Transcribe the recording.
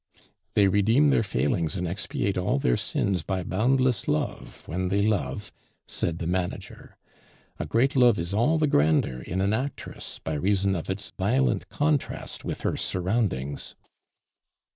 "They redeem their failings and expiate all their sins by boundless love, when they love," said the manager. "A great love is all the grander in an actress by reason of its violent contrast with her surroundings."